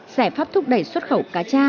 giải pháp thúc đẩy xuất khẩu cacha